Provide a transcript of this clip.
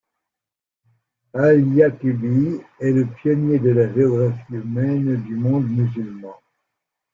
Al-Yaqubi est le pionnier de la géographie humaine du monde musulman.